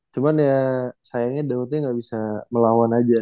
cuman ya sayangnya daudnya nggak bisa melawan aja